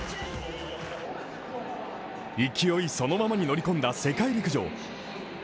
勢いそのままに乗り込んだ世界陸上。